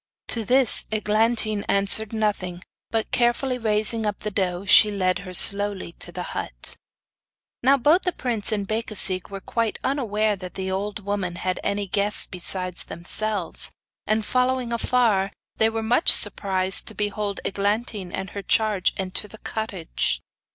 To this Eglantine answered nothing; but carefully raising up the doe, she led her slowly to the hut. Now both the prince and Becasigue were quite unaware that the old woman had any guests besides themselves, and, following afar, were much surprised to behold Eglantine and her charge enter the cottage.